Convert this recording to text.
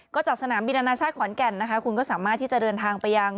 ก็จากสนามบินอนาชาติขอนแก่นนะคะคุณก็สามารถที่จะเดินทางไปยัง